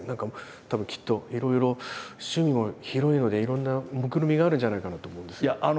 たぶんきっといろいろ趣味も広いのでいろんなもくろみがあるんじゃないかなと思うんですけど。